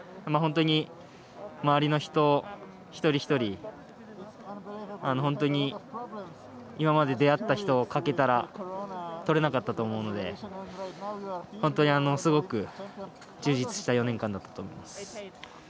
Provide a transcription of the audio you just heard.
本当に周りの人、一人一人本当に今まで出会った人が欠けたらとれなかったと思うので本当にすごく充実した４年間だったと思います。